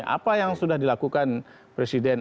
apa yang sudah dilakukan presiden